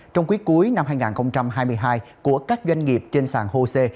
trong cuối cuối năm hai nghìn hai mươi hai của các doanh nghiệp trên sàn hồ sê